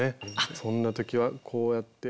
そんな時はこうやって。